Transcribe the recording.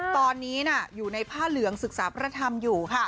ตอนนี้อยู่ในผ้าเหลืองศึกษาพระธรรมอยู่